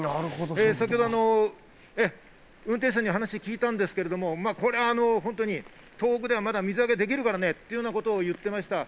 先ほど運転手さんにお話を聞いたんですけど、東北ではまだ水揚げできるからねということを言っていました。